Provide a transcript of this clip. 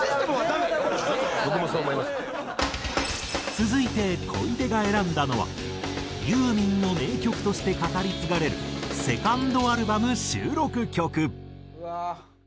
続いて小出が選んだのはユーミンの名曲として語り継がれる２ｎｄアルバム収録曲。